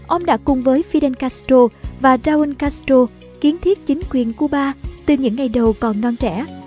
ông đã cùng với fidel castro và raúl castro kiến thiết chính quyền cuba từ những ngày đầu còn non trẻ